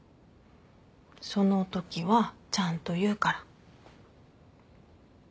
そのときはちゃんと言うから。